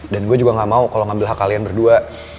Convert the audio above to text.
gue juga gak mau kalau ngambil hak kalian berdua